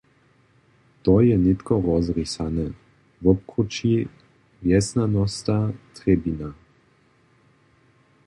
To je nětko rozrisane, wobkrući wjesnjanosta Trjebina.